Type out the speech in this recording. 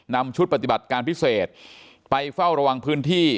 นำชุดปฏิบัติการพิเศษไปเฝ้าระวังพื้นที่